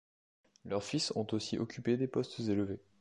Leurs fils ont aussi occupé des postes élevés.